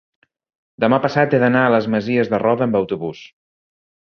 demà passat he d'anar a les Masies de Roda amb autobús.